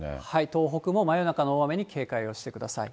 東北も真夜中の大雨に警戒をしてください。